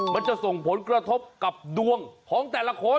มันจะส่งผลกระทบกับดวงของแต่ละคน